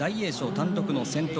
単独の先頭。